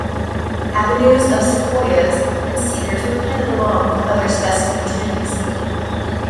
Avenues of sequoias and cedars were planted along with other specimen trees.